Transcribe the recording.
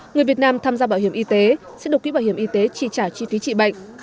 người việt nam tham gia bảo hiểm y tế sẽ được quỹ bảo hiểm y tế trị trả chi phí trị bệnh